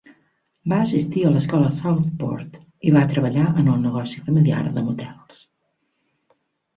Va assistir a l'escola Southport i va treballar en el negoci familiar de motels.